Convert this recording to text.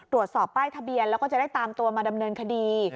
ตรวจสอบป้ายทะเบียนแล้วก็จะได้ตามตัวมาดำเนินคดี